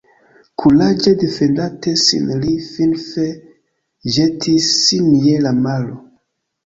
Kuraĝe defendante sin li finfine ĵetis sin je la maro.